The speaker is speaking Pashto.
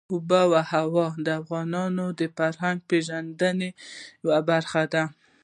آب وهوا د افغانانو د فرهنګي پیژندنې یوه برخه ده.